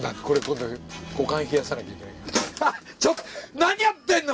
ちょっと何やってんの！